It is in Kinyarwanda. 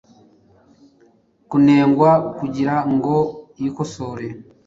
Kunengwa kugira ngo yikosore.